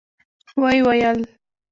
و يې ويل.